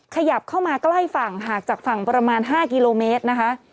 ขยับเข้ามาใกล้ฝั่งห่างจากฝั่งประมาณ๕กิโลเมตรนะคะ